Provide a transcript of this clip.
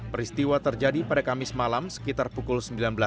peristiwa terjadi pada kamis malam sekitar pukul sembilan belas